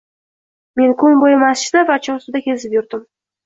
Men kun bo‘yi masjidlar va Chorsuda kezib yurdim.